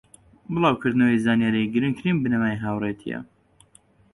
بڵاوکردنەوەی زانیاری گرنگترین بنەمای هاوڕێیەتیە